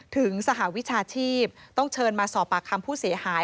สหวิชาชีพต้องเชิญมาสอบปากคำผู้เสียหาย